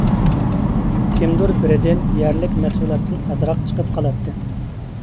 كىمدۇر بىرىدىن يەرلىك مەھسۇلاتتىن ئازراق چىقىپ قالاتتى.